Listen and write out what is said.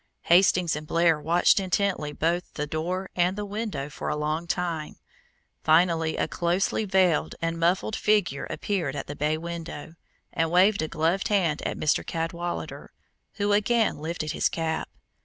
Hastings and Blair watched intently both the door and the window for a long time; finally a closely veiled and muffled figure appeared at the bay window, and waved a gloved hand at Mr. Cadwallader, who again lifted his cap.